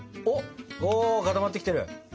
お固まってきてる！